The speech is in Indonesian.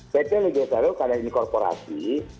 pt liga indonesia baru karena ini korporasi